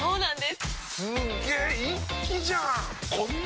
すげ一気じゃん！